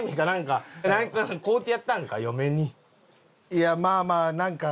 いやまあまあなんか